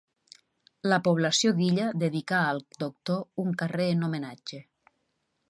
La població d'Illa dedicà al doctor un carrer en homenatge.